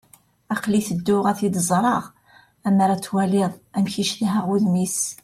Aql-i tedduɣ ad tt-id-ẓreɣ. Ammer ad twaliḍ amek i cedhaɣ udem-is.